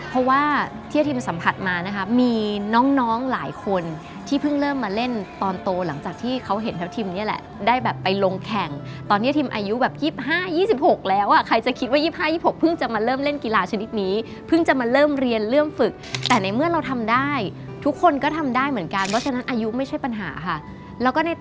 เพราะว่าที่ทีมสัมผัสมานะคะมีน้องหลายคนที่เพิ่งเริ่มมาเล่นตอนโตหลังจากที่เขาเห็นแถวทีมนี่แหละได้แบบไปลงแข่งตอนนี้ทีมอายุแบบ๒๕๒๖แล้วอ่ะใครจะคิดว่า๒๕๒๖เพิ่งจะมาเริ่มเล่นกีฬาชนิดนี้เพิ่งจะมาเริ่มเรียนเริ่มฝึกแต่ในเมื่อเราทำได้ทุกคนก็ทำได้เหมือนกันเพราะฉะนั้นอายุไม่ใช่ปัญหาค่ะแล้วก็ในต